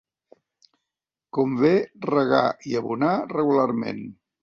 Convé regar i abonar regularment.